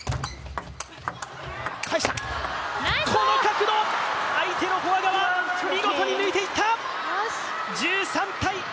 この角度、相手のフォア側、見事に抜いていった！